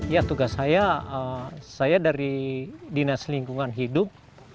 ya tugas saya saya dari dinas lingkungan hidup